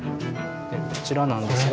こちらなんですが。